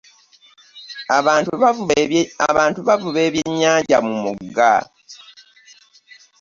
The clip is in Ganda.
Abantu bavuba eby'ennyanja mumugga.